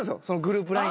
そのグループ